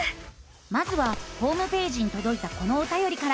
まずはホームページにとどいたこのおたよりから。